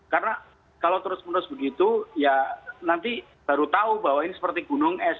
karena kalau terus menerus begitu ya nanti baru tahu bahwa ini seperti gunung es